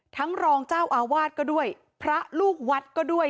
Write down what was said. รองเจ้าอาวาสก็ด้วยพระลูกวัดก็ด้วย